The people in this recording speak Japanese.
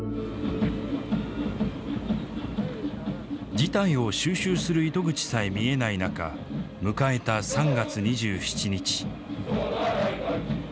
事態を収拾する糸口さえ見えない中迎えた３月２７日。